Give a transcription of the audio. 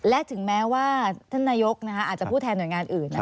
และถึงแม้ว่าท่านนายกอาจจะพูดแทนหน่วยงานอื่น